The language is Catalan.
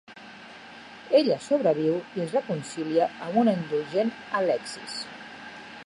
Ella sobreviu i és reconcilia amb una indulgent Alexis.